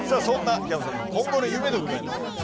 そんな檜山さんの今後の夢でございます